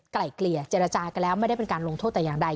ไกลเกลี่ยเจรจากันแล้วไม่ได้เป็นการลงโทษแต่อย่างใด